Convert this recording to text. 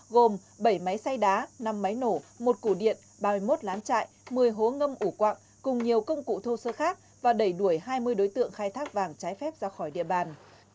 gồm bảy máy xay đá năm máy nổ một củ điện ba mươi một lán chạy một mươi hố ngâm ủ quặng cùng nhiều công cụ thô sơ khác và đẩy đuổi hai mươi đối tượng khai thác vàng trái phép ra khỏi địa bàn